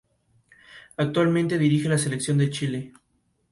Los dibujos se realizaron en blanco y negro.